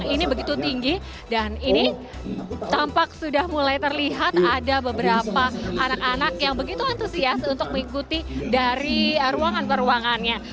ini begitu tinggi dan ini tampak sudah mulai terlihat ada beberapa anak anak yang begitu antusias untuk mengikuti dari ruangan peruangannya